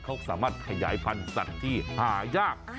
เขาสามารถขยายพันธุ์สัตว์ที่หายาก